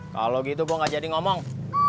kalau gitu kok nggak jadi ngomong